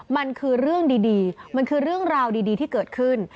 มันคือเรื่องดีมันคือเรื่องราวดีที่เกิดขึ้น